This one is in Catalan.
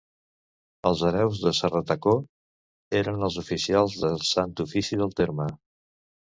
Els hereus de Serratacó eren els oficials del Sant Ofici del terme.